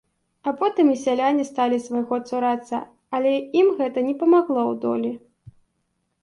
А потым і сяляне сталі свайго цурацца, але ім гэта не памагло ў долі.